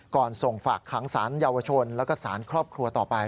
ก่อนส่งฝากขังสารเยาวชนแล้วก็สารครอบครัวต่อไป